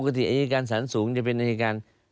ที่อายการสารสูงจะเป็นอายการ